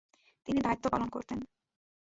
তিনি দায়িত্ব পালন করতেন।